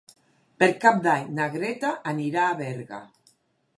Per Cap d'Any na Greta anirà a Berga.